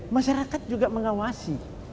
masyarakat juga mengawasi